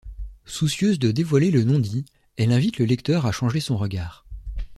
Soucieuse de dévoiler le non-dit, elle invite le lecteur à changer son regard.